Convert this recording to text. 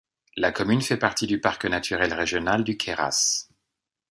La commune fait partie du parc naturel régional du Queyras.